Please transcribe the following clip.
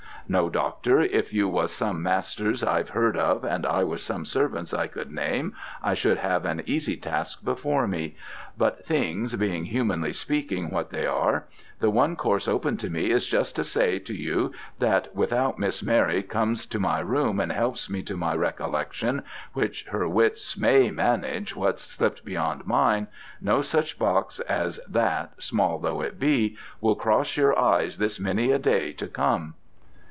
No, Doctor, if you was some masters I've heard of and I was some servants I could name, I should have an easy task before me, but things being, humanly speaking, what they are, the one course open to me is just to say to you that without Miss Mary comes to my room and helps me to my recollection, which her wits may manage what's slipped beyond mine, no such box as that, small though it be, will cross your eyes this many a day to come.'